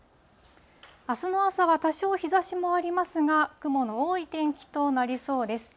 あすの朝は多少、日ざしもありますが、雲の多い天気となりそうです。